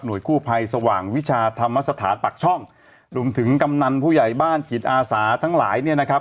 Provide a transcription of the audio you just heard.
กู้ภัยสว่างวิชาธรรมสถานปักช่องรวมถึงกำนันผู้ใหญ่บ้านจิตอาสาทั้งหลายเนี่ยนะครับ